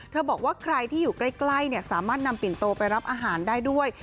บอกว่าใครที่อยู่ใกล้สามารถนำปิ่นโตไปรับอาหารได้ด้วย